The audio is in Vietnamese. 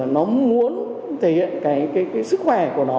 nó muốn thể hiện cái sức khỏe của nó